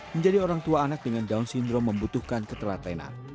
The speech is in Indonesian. menjadi orang tua anak dengan down syndrome membutuhkan ketelatenan